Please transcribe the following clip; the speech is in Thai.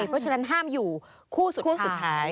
เพราะฉะนั้นห้ามอยู่คู่สุดท้าย